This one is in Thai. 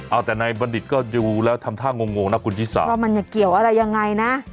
เอาแต่นายบัณฑิตก็ดูแล้วทำท่างงนะคุณชิสาว่ามันจะเกี่ยวอะไรยังไงนะ